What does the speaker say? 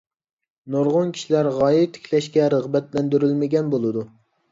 نۇرغۇن كىشىلەر غايە تىكلەشكە رىغبەتلەندۈرۈلمىگەن بولىدۇ.